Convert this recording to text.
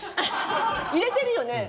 入れてるよね？